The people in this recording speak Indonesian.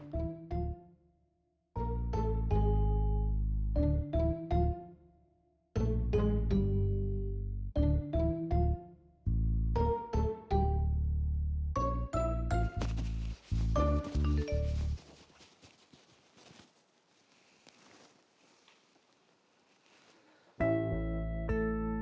baah motor jet kesena terganti oli